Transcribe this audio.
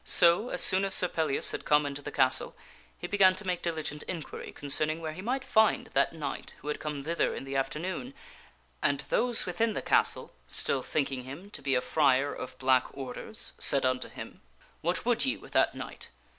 So, as soon as Sir Pellias had come into the castle, he began to make diligent inquiry concerning where he might find that knight who had come thither in the afternoon, and those within the castle, still think * n g him to be a friar of black orders, said unto him, " What would ye with that knight?"